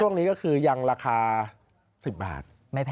ช่วงนี้ก็คือยังราคา๑๐บาท